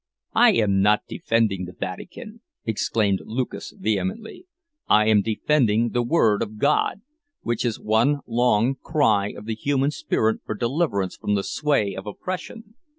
"I am not defending the Vatican," exclaimed Lucas, vehemently. "I am defending the word of God—which is one long cry of the human spirit for deliverance from the sway of oppression.